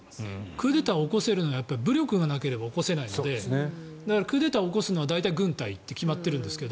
クーデターを起こせるのは武力がなければ起こせないのでクーデターを起こすのは大体軍隊と決まっているんですが